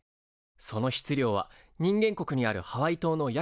その質量は人間国にあるハワイ島の約５倍とか。